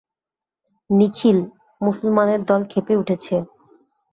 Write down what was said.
নিখিল, মুসলমানের দল ক্ষেপে উঠেছে।